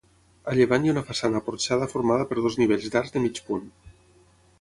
A llevant hi ha una façana porxada formada per dos nivells d'arcs de mig punt.